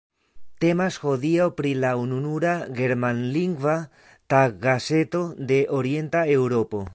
Temas hodiaŭ pri la ununura germanlingva taggazeto de Orienta Eŭropo.